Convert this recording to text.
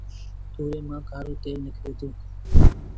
تُوريئي مآݩ کآرو تيل نڪري دو